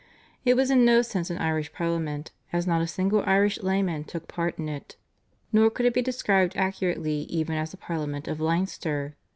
It was in no sense an Irish Parliament, as not a single Irish layman took part in it, nor could it be described accurately even as a Parliament of Leinster.